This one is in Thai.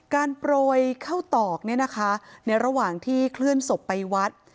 โปรยเข้าตอกเนี่ยนะคะในระหว่างที่เคลื่อนศพไปวัด